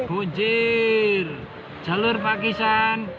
kunjir jalur pakisan